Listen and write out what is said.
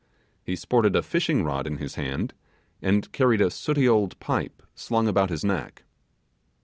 He sported a fishing rod in his hand, and carried a sooty old pipe slung about his neck.